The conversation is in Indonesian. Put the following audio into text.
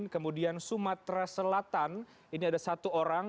kemudian sumatera selatan ini ada satu orang